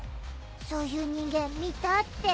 そういう人間見たって。